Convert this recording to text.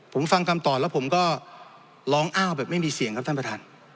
ผมฟังคำตอบแล้วผมก็ร้องอ้าวแบบไม่มีเสียงครับท่านประธาน